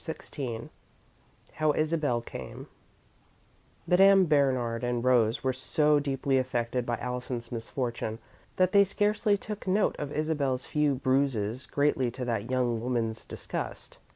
XVI HOW ISABEL CAME Madame Bernard and Rose were so deeply affected by Allison's misfortune that they scarcely took note of Isabel's few bruises, greatly to that young woman's disgust.